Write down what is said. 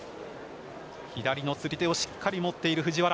左の釣り手をしっかり持っている藤原。